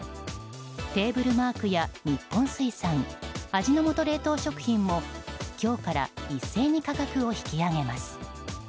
テーブルマークや日本水産味の素冷凍食品も今日から一斉に価格を引き上げます。